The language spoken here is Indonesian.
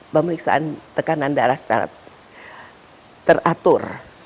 pemeriksaan tekanan darah secara teratur